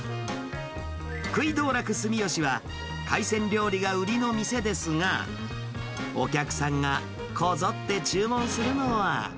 喰い道楽すみよしは、海鮮料理が売りの店ですが、お客さんがこぞって注文するのは。